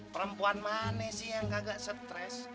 perempuan mana sih yang agak stres